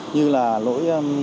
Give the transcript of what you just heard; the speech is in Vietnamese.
như là lỗi